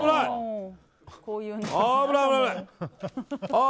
ああ！